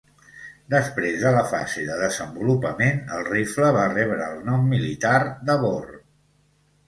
Després de la fase de desenvolupament, el rifle va rebre el nom militar de "Bor".